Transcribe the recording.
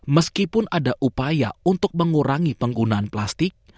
meskipun ada upaya untuk mengurangi penggunaan plastik